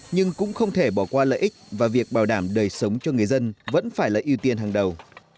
nhưng cũng không thể bỏ qua lợi ích và việc bảo đảm đời sống cho người dân vẫn phải là ưu tiên hàng đầu